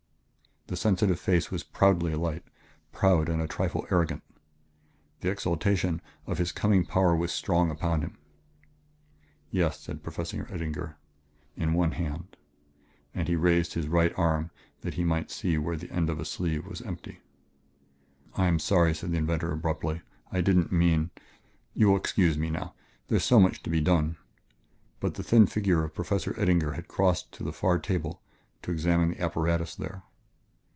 The sensitive face was proudly alight, proud and a trifle arrogant. The exaltation of his coming power was strong upon him. "Yes," said Professor Eddinger, "in one hand." And he raised his right arm that he might see where the end of a sleeve was empty. "I am sorry," said the inventor abruptly; "I didn't mean ... but you will excuse me now; there is so much to be done " But the thin figure of Professor Eddinger had crossed to the far table to examine the apparatus there.